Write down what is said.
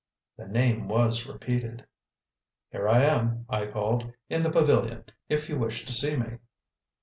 The name was repeated. "Here I am," I called, "in the pavilion, if you wish to see me."